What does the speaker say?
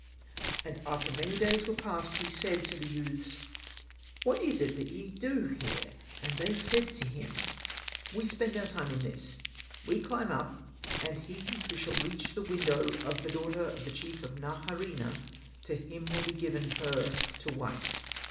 And after many days were passed, he said to the youths, '' What is it that ye do here ?" And they said to him, '* We spend our time Hosted by Google 20 THE DOOMED PRINCE in this : we climb up, and he who shall reach the window of the daughter of the chief of Naharaina, to him will be given her to wife."